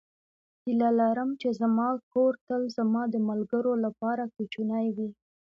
هیله لرم چې زما کور تل زما د ملګرو لپاره کوچنی وي.